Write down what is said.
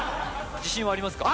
自信はありますか？